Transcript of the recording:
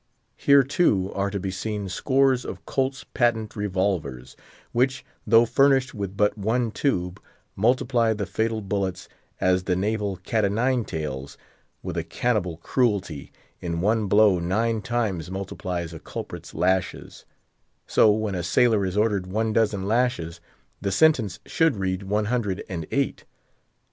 Here, too, are to be seen scores of Colt's patent revolvers, which, though furnished with but one tube, multiply the fatal bullets, as the naval cat o' nine tails, with a cannibal cruelty, in one blow nine times multiplies a culprit's lashes; so that when a sailor is ordered one dozen lashes, the sentence should read one hundred and eight.